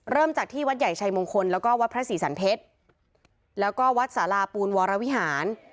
เริ่มจากที่วัดใหญ่ชัยมงคลแล้วก็วัดพระศรีสันเพชรแล้วก็วัดสาราปูนวรวิหาร